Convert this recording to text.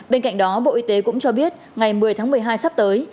bên cạnh đó bộ y tế cũng cho biết ngày một mươi tháng một mươi hai sắp tới